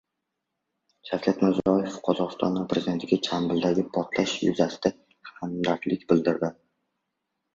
Shavkat Mirziyoyev Qozog‘iston Prezidentiga Jambildagi portlash yuzasidan hamdardlik bildirdi